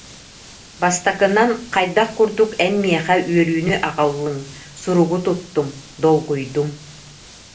Бастакынан, хайдах курдук эн миэхэ үөрүүнү аҕаллыҥ, суругу туттум, долгуйдум